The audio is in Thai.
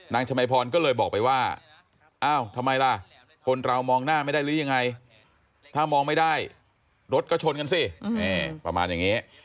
ชมัยพรก็เลยบอกไปว่าอ้าวทำไมล่ะคนเรามองหน้าไม่ได้หรือยังไงถ้ามองไม่ได้รถก็ชนกันสิประมาณอย่างนี้